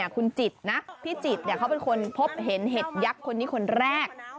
คุณจิตนะพี่จิตเขาเป็นคนพบเห็นเห็ดยักษ์คนนี้คนแรก